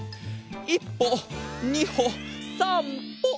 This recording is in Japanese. １ぽ２ほ３ぽ。